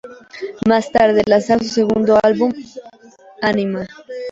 Más tarde, lanzaron su segundo álbum, "Animal".